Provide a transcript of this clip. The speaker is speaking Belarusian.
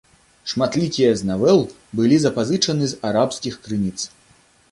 Шматлікія з навел былі запазычаны з арабскіх крыніц.